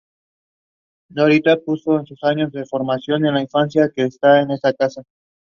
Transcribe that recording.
She is an eminent paediatric surgeon in India.